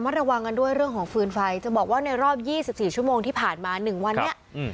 ระมัดระวังกันด้วยเรื่องของฟื้นไฟจะบอกว่าในรอบยี่สิบสี่ชั่วโมงที่ผ่านมาหนึ่งวันเนี้ยอืม